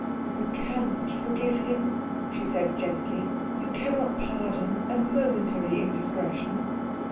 "You cannot forgive him?" she said gently. "You cannot pardon a momentary indiscretion?"